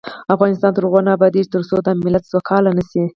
افغانستان تر هغو نه ابادیږي، ترڅو دا ملت سوکاله نشي.